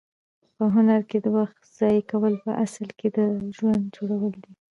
په هنر کې د وخت ضایع کول په اصل کې د ژوند جوړول دي.